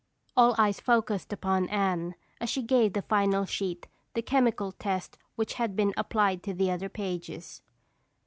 All eyes focused upon Anne as she gave the final sheet the chemical test which had been applied to the other pages.